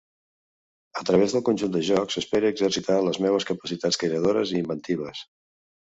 A través del conjunt de jocs espere exercitar les meues capacitats creadores i inventives.